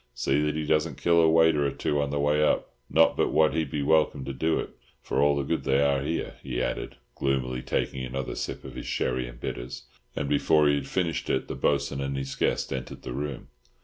See that he doesn't kill a waiter or two on the way up. Not but what he'd be welcome to do it, for all the good they are here," he added, gloomily, taking another sip of his sherry and bitters; and before he had finished it the Bo'sun and his guest entered the room.